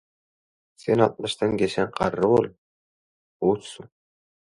sen altmyşdan geçen garry bol – puçsuň.